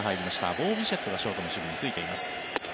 ボー・ビシェットがショートの守備に就いています。